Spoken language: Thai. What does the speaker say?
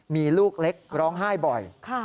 มีลูกเล็กร้องไห้บ่อย